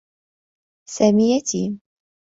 سامي يتيم.